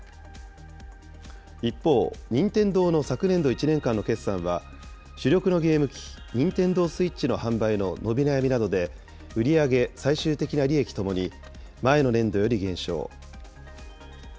一方、任天堂の昨年度１年間の決算は、主力のゲーム機、ニンテンドースイッチの販売の伸び悩みなどで、売り上げ、最終的な利益ともに、前の年度より減少。